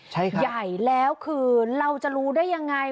ใช่ครับใหญ่แล้วคือเราจะรู้ได้ยังไง